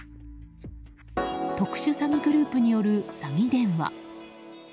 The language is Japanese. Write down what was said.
特殊詐欺グループによる詐欺電話。